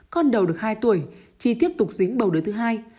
con đầu được hai tuổi chi tiếp tục dính bầu đứa thứ hai